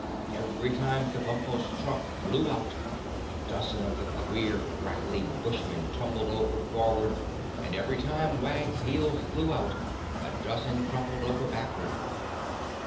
Every time Kabumpo's trunk flew out, a dozen of the queer crackly Bushmen tumbled over forward and every time Wag's heels flew out a dozen crumpled over backward.